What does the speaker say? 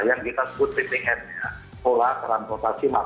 yang kita sebut riping n nya